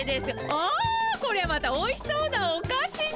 あこれはまたおいしそうなおかしが。